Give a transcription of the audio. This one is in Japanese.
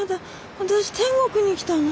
私天国に来たの？